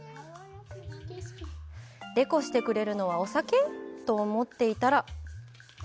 レコしてくれるのは、お酒？と思っていたら。